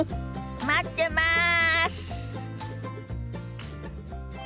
待ってます！